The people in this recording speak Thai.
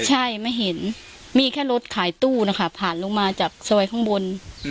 ใช่ไม่เห็นมีแค่รถขายตู้นะคะผ่านลงมาจากซอยข้างบน